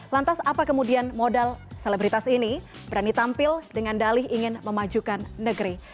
lantas apa kemudian modal selebritas ini berani tampil dengan dalih ingin memajukan negeri